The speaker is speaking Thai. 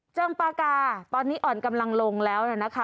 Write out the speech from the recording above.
เชิงปากาตอนนี้อ่อนกำลังลงแล้วนะคะ